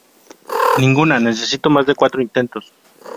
Ninguna necesitó más de cuatro intentos.